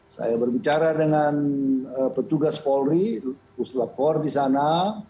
saya berbicara dengan petugas polri puslapor di sana